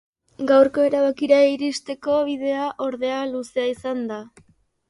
Gaurko erabakira iristeko bidea, ordea, luzea izan da.